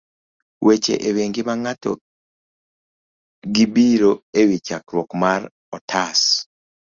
Weche e Wi Ngima Ng'ato gibiro e chakruok mar otas